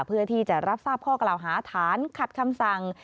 เพื่อที่จะรับทราบข้อกล่าวหาฐานขัดคำสั่ง